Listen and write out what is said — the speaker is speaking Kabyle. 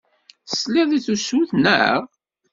Teslid i tusut, naɣ?